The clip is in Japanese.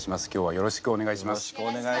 よろしくお願いします。